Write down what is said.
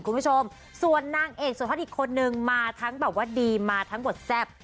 คุณผู้ชมส่วนนางเอกสุดฮอตอีกคนนึงมาทั้งแบบว่าดีมาทั้งบทแซ่บ